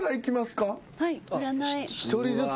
一人ずつ？